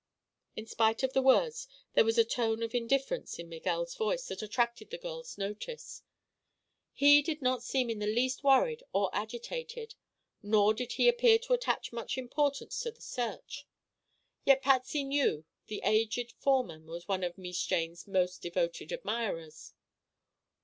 In spite of the words there was a tone of indifference in Miguel's voice that attracted the girl's notice. He did not seem in the least worried or agitated, nor did he appear to attach much importance to the search. Yet Patsy knew the aged foreman was one of "Mees Jane's" most devoted admirers.